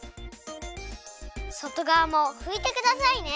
外がわもふいてくださいね。